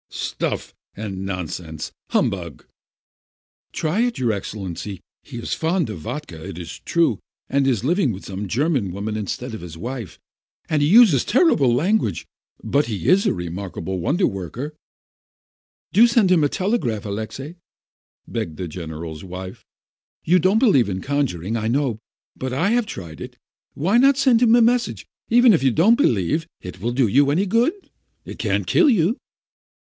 "Stuff and nonsense ! Humbug !" "Just try it, your Excellency ! He is fond of vodka, it is true, and is living with some German woman in stead of his wife, and he uses terrible language, but he is a remarkable wonder worker." "Do send him a telegram, Alexei!" begged the general's wife. "You don't believe in conjuring, I know, but I have tried it. Why not send him the mes sage, even if you don't believe it will do you any good? It can't kill you!"